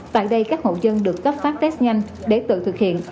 tại đây các hộ dân được cấp phát test nhanh để tự thực hiện